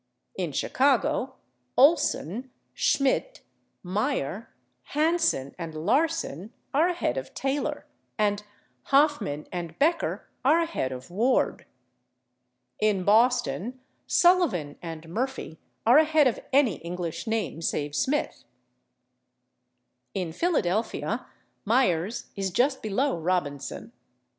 In Chicago /Olson/, /Schmidt/, /Meyer/, /Hansen/ and /Larsen/ are ahead of /Taylor/, and /Hoffman/ and /Becker/ are ahead of /Ward/; in Boston /Sullivan/ and /Murphy/ are ahead of any English name save /Smith/; in Philadelphia /Myers/ is just below /Robinson